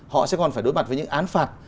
họ sẽ còn phải đối mặt với những án phạt